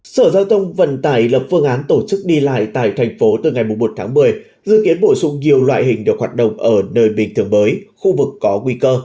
sở giao thông vận tải lập phương án tổ chức đi lại tại thành phố từ ngày một tháng một mươi dự kiến bổ sung nhiều loại hình được hoạt động ở nơi bình thường mới khu vực có nguy cơ